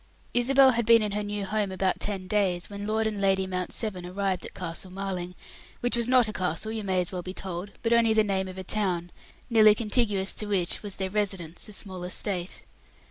Isabel had been in her new home about ten days, when Lord and Lady Mount Severn arrived at Castle Marling, which was not a castle, you may as well be told, but only the name of a town, nearly contiguous to which was their residence, a small estate.